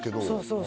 そう